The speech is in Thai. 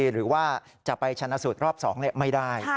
หรือว่าจะไปชนะสูตรรอบ๒ไม่ได้